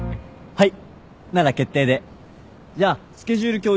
はい。